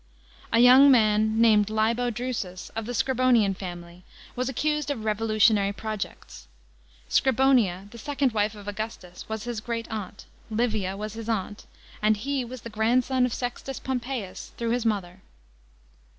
A young man named Libo Drusus, of the Scribonian family, was accused of revolutionary projects. Scribonia, the second wife of Augustus, was his great aunt ; Livia was his aunt; and be was the grandson of Sextus Pompeius through his mother.